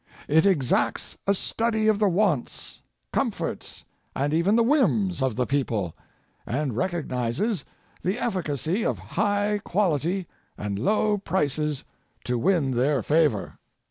It exacts a study of the wants, com forts, and even the whims of the people, and recog nizes the efficacy of high quality and low prices to win their favor.